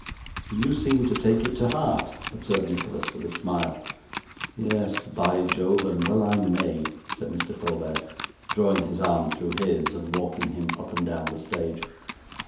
'You seem to take it to heart,' observed Nicholas, with a smile. 'Yes, by Jove, and well I may,' said Mr. Folair, drawing his arm through his, and walking him up and down the stage.